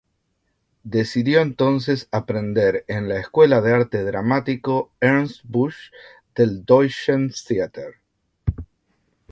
Decidió entonces aprender en la Escuela de Arte Dramático Ernst Busch del Deutschen Theater.